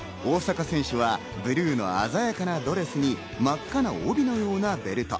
大坂選手はブルーの鮮やかなドレスに真っ赤な帯のようなベルト。